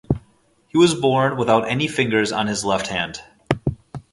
He was born without any fingers on his left hand.